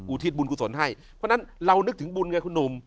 ทิศบุญกุศลให้เพราะฉะนั้นเรานึกถึงบุญไงคุณหนุ่ม